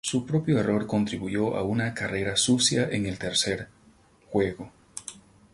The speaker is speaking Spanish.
Su propio error contribuyó a una carrera sucia en el tercer juego.